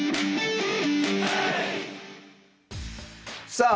さあ